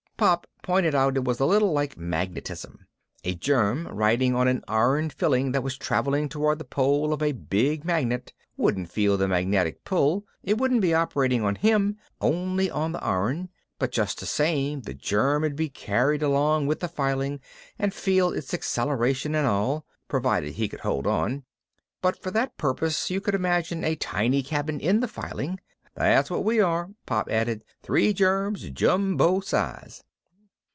Pop pointed out it was a little like magnetism. A germ riding on an iron filing that was traveling toward the pole of a big magnet wouldn't feel the magnetic pull it wouldn't be operating on him, only on the iron but just the same the germ'd be carried along with the filing and feel its acceleration and all, provided he could hold on but for that purpose you could imagine a tiny cabin in the filing. "That's what we are," Pop added. "Three germs, jumbo size."